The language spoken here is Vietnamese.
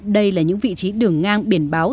đây là những vị trí đường ngang biển báo